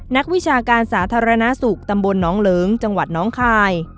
นักวิชาการสาธารณสุขตำบลน้องเหลิงจังหวัดน้องคาย